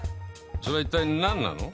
それは一体何なの？